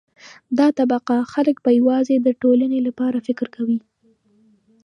دا طبقه خلک به یوازې د ټولنې لپاره فکر کوي.